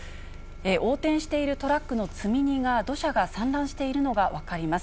横転しているトラックの積み荷が、土砂が散乱しているのが分かります。